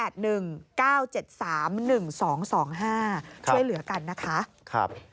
ช่วยเหลือกันนะคะ